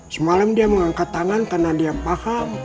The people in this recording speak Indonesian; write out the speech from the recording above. semalem dia mengangkat tangan kena dia paham